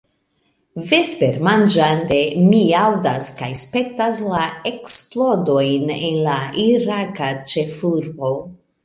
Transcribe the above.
Vespermanĝante, mi aŭdas kaj spektas la eksplodojn en la iraka ĉefurbo.